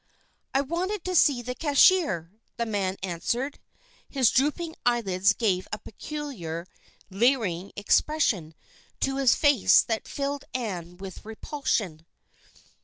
"I wanted to see the cashier," the man answered. His drooping eyelids gave a peculiar, leering expression to his face that filled Ann with repulsion.